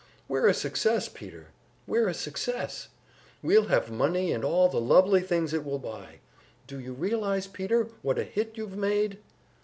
"We're a Success, Peter! We're a Success! We'll have money and all the lovely things it will buy! Do you realize, Peter, what a hit you've made?"